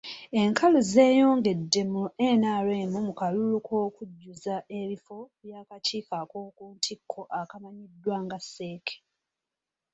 Enkalu zeeyongedde mu NRM mu kalulu k’okujjuza ebifo by’akakiiko ak’okuntikko akamanyiddwa nga CEC.